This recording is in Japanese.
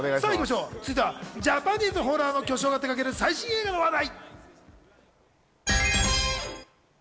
続いては、ジャパニーズホラーの巨匠が手がける最新映画の話題。